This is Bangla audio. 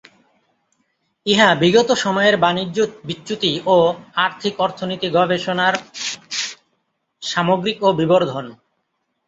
ইহা বিগত সময়ের বাণিজ্য বিচ্যুতি ও আর্থিক অর্থনীতি গবেষণার সামগ্রিক ও বিবর্ধন।